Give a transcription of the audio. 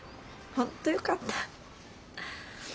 本当よかった。